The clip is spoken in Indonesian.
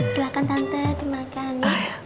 silahkan tante dimakan ya